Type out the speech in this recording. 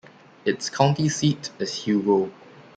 Its county seat is Hugo.